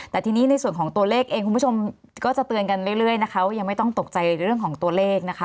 แต่ทีนี้ในส่วนของตัวเลขเองคุณผู้ชมก็จะเตือนกันเรื่อยนะคะว่ายังไม่ต้องตกใจเรื่องของตัวเลขนะคะ